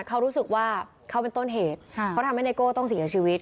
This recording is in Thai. เขารู้สึกว่าเขาเป็นต้นเหตุเขาทำให้ไนโก้ต้องเสียชีวิต